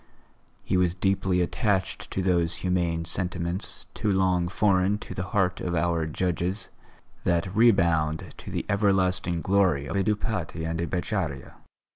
He was deeply attached to those humane sentiments, too long foreign to the heart of our judges, that redound to the everlasting glory of a Dupaty and a Beccaria.